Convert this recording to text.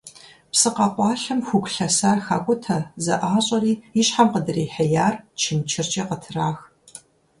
Псы къэкъуалъэм хугу лъэсар хакIутэ, зэIащIэри и щхьэм къыдрихьеяр чымчыркIэ къытрах.